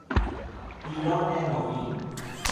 ایران نوین